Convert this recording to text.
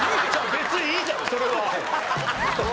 別にいいじゃんそれは。